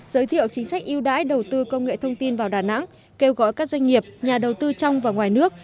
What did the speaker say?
giới thiệu chính sách yêu đãi đầu tư công nghệ thông tin vào đà nẵng kêu gọi các doanh nghiệp nhà đầu tư trong và ngoài nước